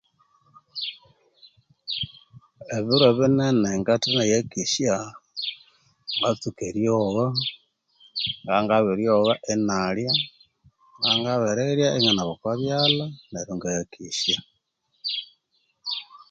Ebiru ebinene ngathenayakesya ngatsuka eryogha nga nga biryogha inalya ngabya ngabirirya inganaba oko byalha neru ingayakesya